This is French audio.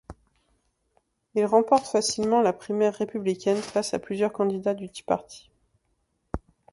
Il remporte facilement la primaire républicaine face à plusieurs candidats du Tea Party.